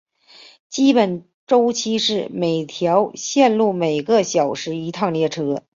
基本周期是每条线路每个小时一趟列车。